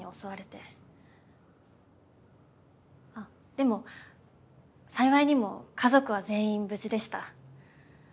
でも幸いにも家族は全員無事でした。